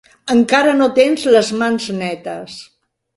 Encara no tens les mans netes.